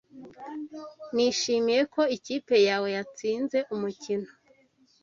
Nishimiye ko ikipe yawe yatsinze umukino.